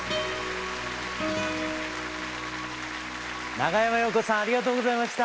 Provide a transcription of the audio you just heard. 長山洋子さんありがとうございました。